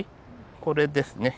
これですね。